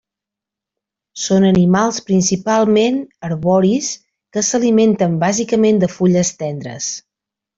Són animals principalment arboris que s'alimenten bàsicament de fulles tendres.